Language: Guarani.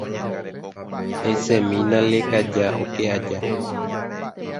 esẽmina lekaja oke aja.